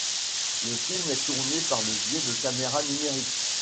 Le film est tourné par le biais de caméras numériques.